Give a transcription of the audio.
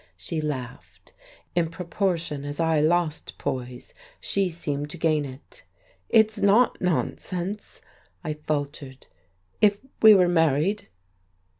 she laughed. In proportion as I lost poise she seemed to gain it. "It's not nonsense," I faltered. "If we were married."